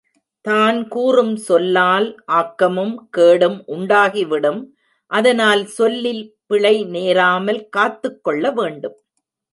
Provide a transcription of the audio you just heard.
தான் கூறும் சொல்லால் ஆக்கமும் கேடும் உண்டாகிவிடும் அதனால் சொல்லில் பிழை நேராமல் காத்துக்கொள்ள வேண்டும்.